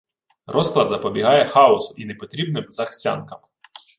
Розклад запобігає хаосу і непотрібним захцянкам.